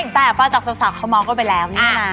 แต่ฝ่าจากสาวเขามองเข้าไปแล้ว